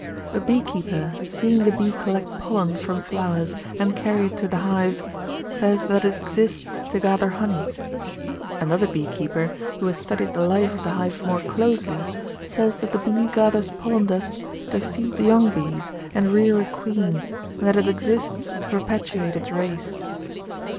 A beekeeper, seeing the bee collect pollen from flowers and carry it to the hive, says that it exists to gather honey. Another beekeeper who has studied the life of the hive more closely says that the bee gathers pollen dust to feed the young bees and rear a queen, and that it exists to perpetuate its race.